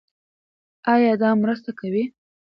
ایا دا مرسته کوي؟